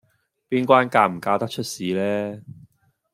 邊關嫁唔嫁得出事呢